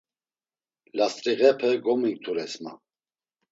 Last̆riğepe gominktures ma.